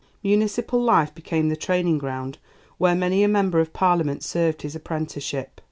Municipal life became the training ground where many a member of Parliament served his apprenticeship.